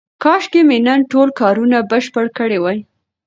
کاشکې مې نن ټول کارونه بشپړ کړي وای.